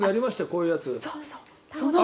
こういうやつ。